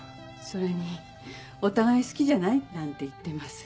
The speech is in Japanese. それにお互い好きじゃないなんて言ってます。